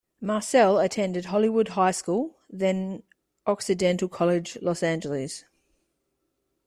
Marcel attended Hollywood High School, then Occidental College, Los Angeles.